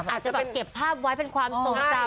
อาจจะแบบเก็บภาพไว้เป็นความทรงจำ